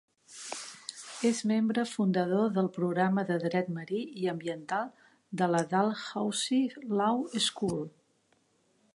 És membre fundador del programa de dret marí i ambiental de la Dalhousie Law School.